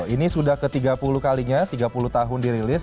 ini sudah ke tiga puluh kalinya tiga puluh tahun dirilis